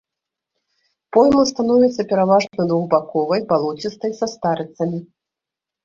Пойма становіцца пераважна двухбаковай, балоцістай, са старыцамі.